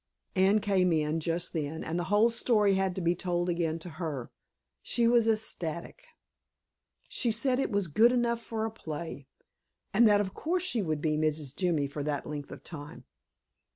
Anne came in just then, and the whole story had to be told again to her. She was ecstatic. She said it was good enough for a play, and that of course she would be Mrs. Jimmy for that length of time.